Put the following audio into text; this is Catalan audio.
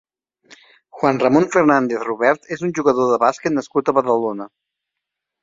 Juan Ramon Fernández Robert és un jugador de bàsquet nascut a Badalona.